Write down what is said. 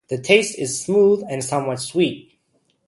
The taste is smooth and somewhat sweet.